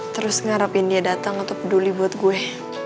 terus ngarepin dia dateng atau peduli buat gue